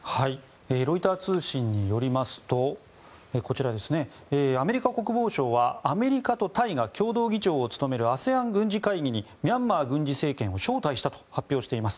ロイター通信によりますとアメリカ国防省は、アメリカとタイが共同議長を務めるＡＳＥＡＮ軍事会議にミャンマー軍事政権を招待したと発表しています。